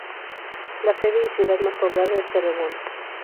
La sede y ciudad más poblada es Terrebonne.